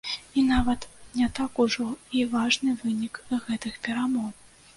І нават не так ужо і важны вынік гэтых перамоў.